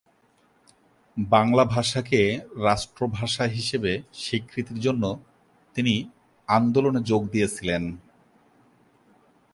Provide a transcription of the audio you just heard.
বাংলা ভাষাকে রাষ্ট্র ভাষা হিসেবে স্বীকৃতির জন্য তিনি আন্দোলনে যোগ দিয়েছিলেন।